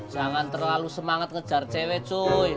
jangan terlalu semangat ngejar cewek